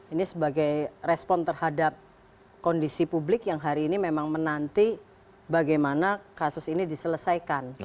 ini sebagai respon terhadap kondisi publik yang hari ini memang menanti bagaimana kasus ini diselesaikan